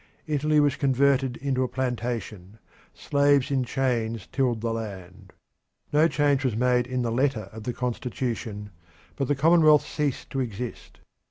Italy was converted into a plantation; slaves in chains tilled the land. No change was made in the letter of the constitution, but the commonwealth ceased to exist.